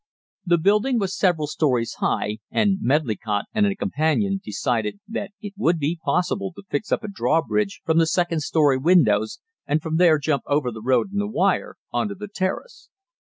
The building was several stories high, and Medlicott and a companion decided that it would be possible to fix up a drawbridge from the second story windows, and from there jump over the road and the wire on to the terrace.